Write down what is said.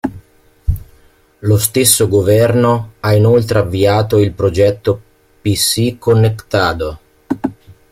Lo stesso governo ha inoltre avviato il progetto "PC Conectado".